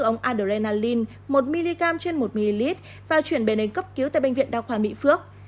ống adrenalin một mg trên một ml và chuyển bé đến cấp cứu tại bệnh viện đa khoa mỹ phước